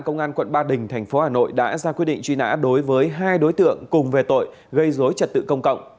công an quận ba đình thành phố hà nội đã ra quyết định truy nã đối với hai đối tượng cùng về tội gây dối trật tự công cộng